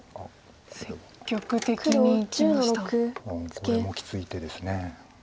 これもきつい手です。